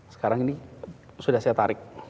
sekarang ini sudah saya tarik